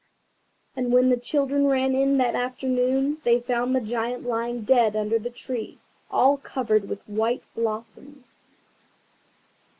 And when the children ran in that afternoon, they found the Giant lying dead under the tree, all covered with white blossoms.